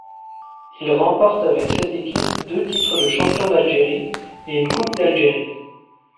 Il remporte avec cette équipe deux titres de champion d'Algérie et une Coupe d'Algérie.